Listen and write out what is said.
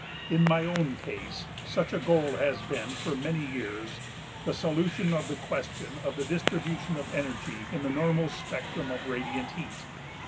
In my own case such a goal has been for many years the solution of the question of the distribution of energy in the normal spectrum of radiant heat.